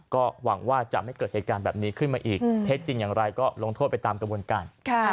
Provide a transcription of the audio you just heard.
ก็หวังว่าจะไม่เกิดเหตุการณ์แบบนี้ขึ้นมาอีกเท็จจริงอย่างไรก็ลงโทษไปตามกระบวนการ